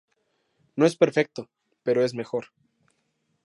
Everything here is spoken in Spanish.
No es perfecto, pero es mejor".